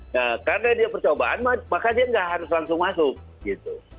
nah karena dia percobaan maka dia nggak harus langsung masuk gitu